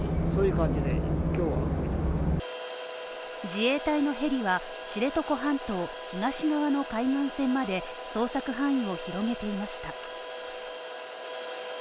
自衛隊のヘリは知床半島東側の海岸線まで捜索範囲を広げていました。